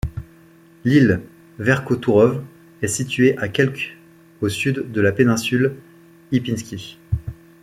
L'île Verkhotourov est située à quelque au sud de la péninsule Ilpinski.